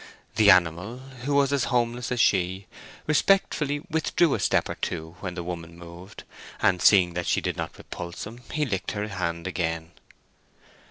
The animal, who was as homeless as she, respectfully withdrew a step or two when the woman moved, and, seeing that she did not repulse him, he licked her hand again.